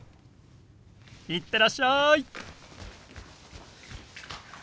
行ってらっしゃい！